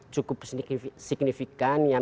cukup signifikan yang